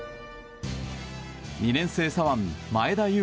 ２年生左腕、前田悠